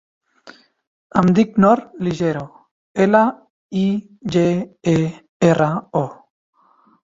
Em dic Nor Ligero: ela, i, ge, e, erra, o.